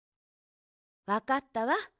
わかったわ。